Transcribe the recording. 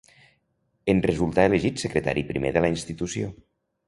En resultà elegit secretari primer de la institució.